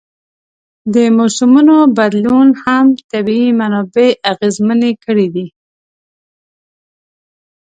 د موسمونو بدلون هم طبیعي منابع اغېزمنې کړي دي.